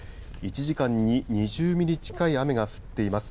１時間に２０ミリ近い雨が降っています。